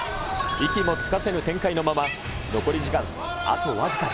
息もつかせぬ展開のまま、残り時間あと僅かに。